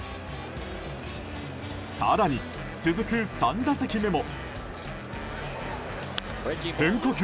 更に、続く３打席目も。